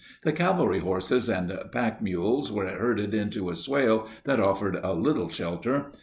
The cavalry horses and pack mules were herded into a swale that offered a little shelter.